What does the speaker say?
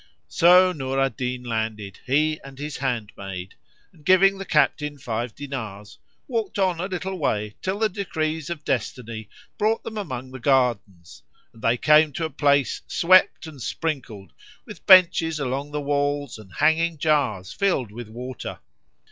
So Nur al Din landed, he and his handmaid and, giving the captain five dinars, walked on a little way till the decrees of Destiny brought them among the gardens, and they came to a place swept and sprinkled, with benches along the walls and hanging jars filled with water.